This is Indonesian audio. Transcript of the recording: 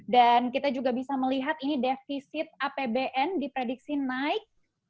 dan kita juga bisa melihat ini defisit apbn diprediksi naik